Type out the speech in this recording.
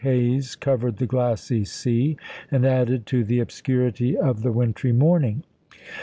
haze covered the glassy sea and added to the ob scurity of the wintry morning.